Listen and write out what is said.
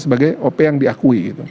sebagai o p yang diakui gitu